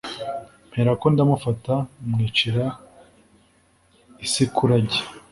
mperako ndamufata mwicira i Sikulagi.